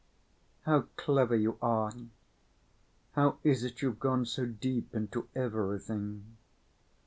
"How clever you are! How is it you've gone so deep into everything?"